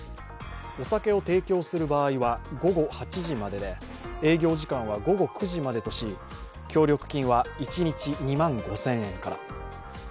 お酒を提供する場合は午後８時までで、営業時間は午後９時までとし、協力金は一日２万５０００円から。